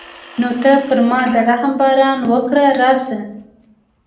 نو ته پر ما د رحم باران وکړه راشه.